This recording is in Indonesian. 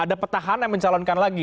ada petahana yang mencalonkan lagi